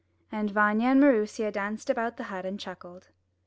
And Vanya and Maroosia danced about the hut and chuckled.